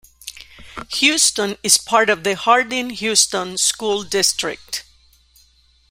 Houston is part of the Hardin-Houston School District.